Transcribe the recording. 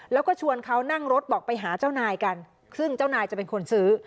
แล้วก็ชวนเขานั่งรถบอกไปหาเจ้านายกันซึ่งเจ้านายจะเป็นคนซื้อ